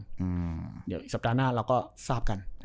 เดี๋ยวสัปดาห์หน้าเราก็ทราบกัน